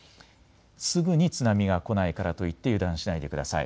すぐに津波が来ないからといって油断しないでください。